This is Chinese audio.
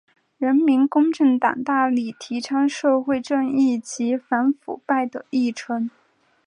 人民公正党大力提倡社会正义及反腐败的议程。